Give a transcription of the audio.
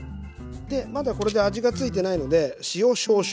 でまだこれで味が付いてないので塩少々。